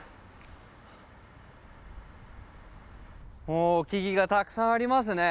おお木々がたくさんありますね。